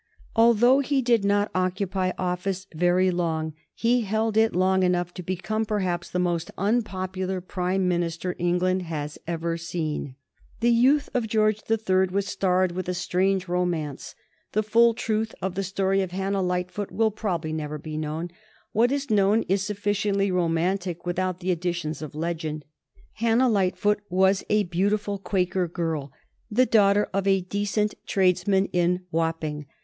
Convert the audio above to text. Although he did not occupy office very long, he held it long enough to become perhaps the most unpopular Prime Minister England has ever had. [Sidenote: 1760 Hannah Lightfoot and Lady Sarah Lennox] The youth of George the Third was starred with a strange romance. The full truth of the story of Hannah Lightfoot will probably never be known. What is known is sufficiently romantic without the additions of legend. Hannah Lightfoot was a beautiful Quaker girl, the daughter of a decent tradesman in Wapping.